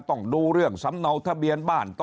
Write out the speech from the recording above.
ต้องดูเรื่องสำเนาทะเบียนบ้านต่อ